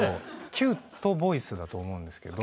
キュートボイスだと思うんですけど。